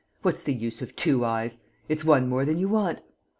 What's the use of two eyes? It's one more than you want.